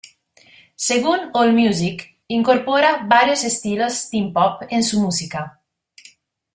Según Allmusic, incorpora varios estilos "teen pop" en su música.